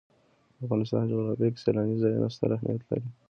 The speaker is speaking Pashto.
د افغانستان جغرافیه کې سیلاني ځایونه ستر اهمیت لري.